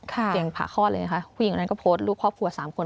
เสียงผ่าคลอดเลยนะคะผู้หญิงคนนั้นก็โพสต์รูปครอบครัว๓คน